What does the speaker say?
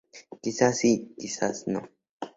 Quizá sí... quizá no.